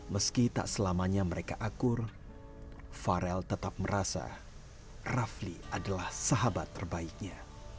meski tak selamanya mereka akur farel tetap merasa rafli adalah sahabat terbaiknya